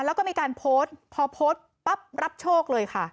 แล้วก็มีการโพสต์พอโพสต์ปั๊บรับโชคเลยค่ะ